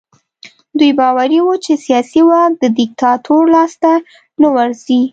دوی باوري وو چې سیاسي واک د دیکتاتور لاس ته نه ورځي.